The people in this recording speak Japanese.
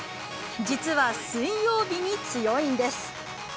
実は水曜日に強いんです。